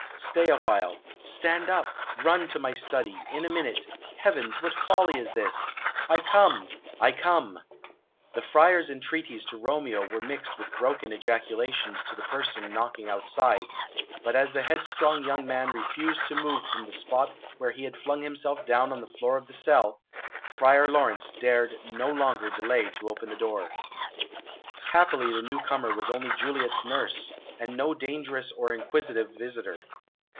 Stay awhile.... Stand up! Run to my study.... In a minute.... Heavens! what folly is this?... I come I come!" The Friar's entreaties to Romeo were mixed with broken ejaculations to the person knocking outside, but as the headstrong young man refused to move from the spot where he had flung himself down on the floor of the cell, Friar Laurence dared no longer delay to open the door. [Illustration: "Romeo, arise; thou wilt be taken!"] Happily the new comer was only Juliet's nurse, and no dangerous or inquisitive visitor.